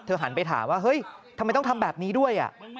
หันไปถามว่าเฮ้ยทำไมต้องทำแบบนี้ด้วย